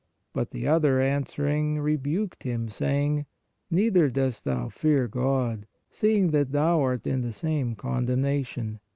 But the other answering, re buked him, saying: Neither dost thou fear God, seeing that thou art in the same condemnation.